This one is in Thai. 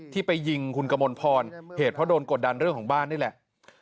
ที่ไปยิงคุณกมลพรเหตุเพราะโดนกดดันเรื่องของบ้านนี่แหละ